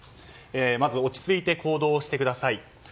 まず落ち着いて行動してください。